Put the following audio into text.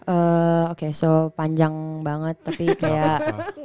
oh oke so panjang banget tapi kayak